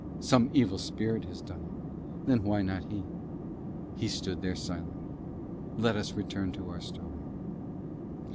Some evil spirit has done it, then why not he? He stood there silent: let us return to our story.